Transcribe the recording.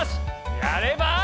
やれば。